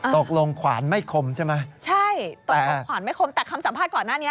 ขวานไม่คมใช่ไหมใช่ตกลงขวานไม่คมแต่คำสัมภาษณ์ก่อนหน้านี้